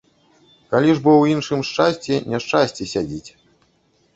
Калі ж бо ў іншым шчасці няшчасце сядзіць.